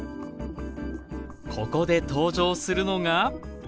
ここで登場するのが？